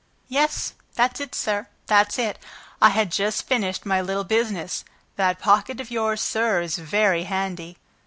"Yes, that's it, sir, that's it. I had just finished my little business. That pocket of yours, sir, is very handy!"